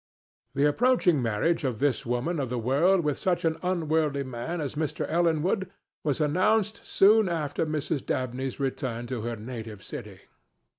The approaching marriage of this woman of the world with such an unworldly man as Mr. Ellenwood was announced soon after Mrs. Dabney's return to her native city.